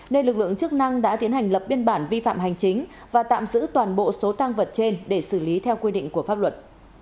nên lực lượng chức năng đã tiến hành lập biên bản vi phạm hành chính và tạm giữ toàn bộ số tăng vật trên để xử lý theo quy định của pháp luật